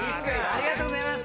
ありがとうございます。